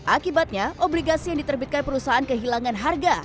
akibatnya obligasi yang diterbitkan perusahaan kehilangan harga